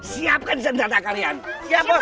siapkan sendara kalian siap bos